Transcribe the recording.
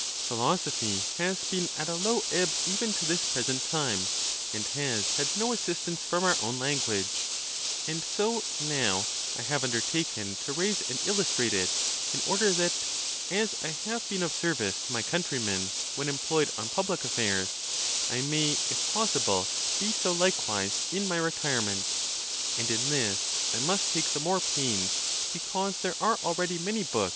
Philosophy has been at a low ebb even to this present time, and has had no assistance from our own language, and so now I have undertaken to raise and illustrate it, in order that, as I have been of service to my countrymen, when employed on public affairs, I may, if possible, be so likewise in my retirement; and in this I must take the more pains, because there are already many books in the